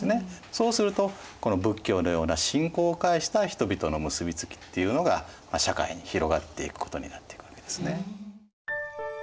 そうするとこの仏教のような信仰を介した人々の結び付きっていうのが社会に広がっていくことになっていくわけですね。